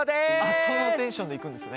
そのテンションでいくんですね。